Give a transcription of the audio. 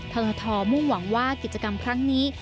ททมุ่งหวังว่ากิจกรรมครั้งนี้